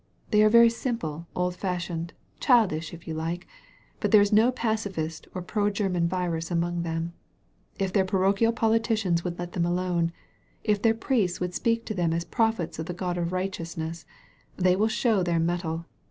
They are very simple, old fashioned, childish, if you like; but there is no pacifist or pro German virus among them. If their parochial politicians will let them alone, if their priests will speak to them as prophets of the God of Bighteous ness, they will show their mettle.